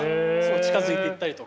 近づいていったりとか。